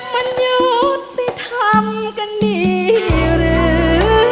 มันยุทธ์ที่ทำกันดีหรือ